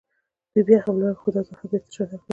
دوی بیا حمله وکړه، خو دا ځل هم بېرته شاتګ ته اړ شول.